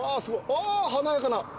あ華やかな。